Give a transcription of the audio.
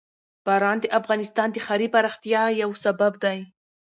باران د افغانستان د ښاري پراختیا یو سبب دی.